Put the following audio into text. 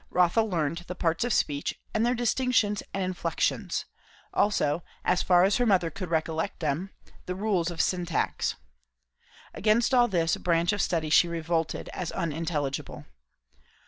Rotha learned the parts of speech, and their distinctions and inflexions; also, as far as her mother could recollect them, the rules of syntax. Against all this branch of study she revolted, as unintelligible.